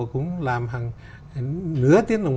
cũng làm hàng nửa tiếng đồng hồ